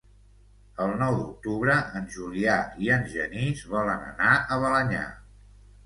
El nou d'octubre en Julià i en Genís volen anar a Balenyà.